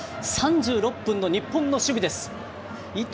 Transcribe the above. ３６分の日本の守備です。